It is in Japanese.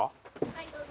はいどうぞ。